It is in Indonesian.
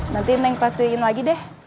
nanti neng pastiin lagi deh